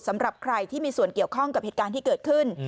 สำหรับใครที่มีส่วนเกี่ยวข้องกับเหตุการณ์ที่เกิดขึ้น